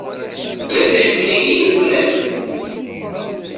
D annect-nni i yi-d-nnan.